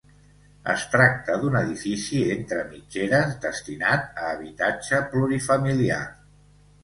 Es tracta d'un edifici entre mitgeres destinat a habitatge plurifamiliar.